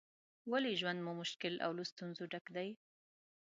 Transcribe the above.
ولې ژوند مو مشکل او له ستونزو ډک دی؟